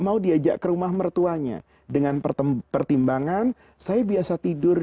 mau diajak ke rumah mertuanya dengan pertimbangan saya biasa tidur